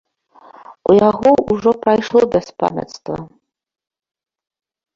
У яго ўжо прайшло бяспамяцтва.